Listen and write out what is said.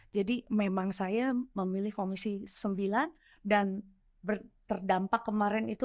jadi memang saya memilih komisi sembilan dan terdampak kemarin itu